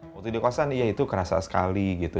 waktu di kosan iya itu kerasa sekali gitu